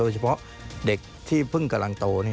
เฉพาะเด็กที่เพิ่งกำลังโต